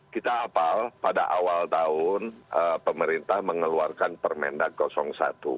kita hafal pada awal tahun pemerintah mengeluarkan permendak satu